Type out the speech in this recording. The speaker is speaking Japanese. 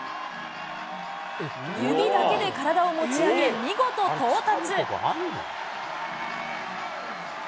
指だけで体を持ち上げ、見事到達。